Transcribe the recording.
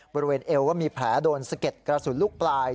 บริเวณเอวว่ามีแผลโดนสะเก็ดกระสุนลูกปลาย